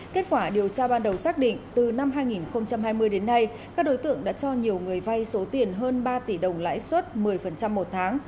kết quả điều tra ban đầu xác định từ năm hai nghìn hai mươi đến nay các đối tượng đã cho nhiều người vay số tiền hơn ba tỷ đồng lãi suất một mươi một tháng